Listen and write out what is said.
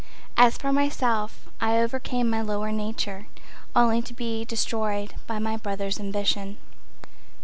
As for myself I overcame my lower nature Only to be destroyed by my brother's ambition.